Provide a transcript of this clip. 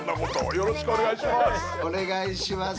よろしくお願いします。